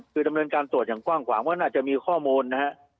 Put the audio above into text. คือดำเนินการตรวจอย่างกว้างขวางว่าน่าจะมีข้อมูลนะฮะ